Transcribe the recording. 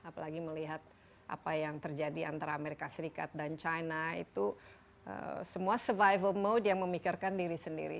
apalagi melihat apa yang terjadi antara amerika serikat dan china itu semua survival mode yang memikirkan diri sendiri